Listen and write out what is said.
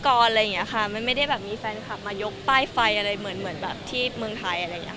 จริงก็จะเป็นพิธีกรไม่ได้แบบมีแฟนคลับมายกป้ายไฟที่เมืองไทย